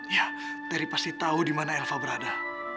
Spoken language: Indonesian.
ya terry pasti tau dimana elva berada